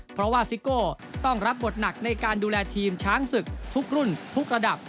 เพราะว่าซิโก้ต้องรับบทหนักในการดูแลทีมช้างศึกทุกรุ่นทุกระดับ